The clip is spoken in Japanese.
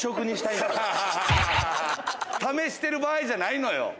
試してる場合じゃないのよ。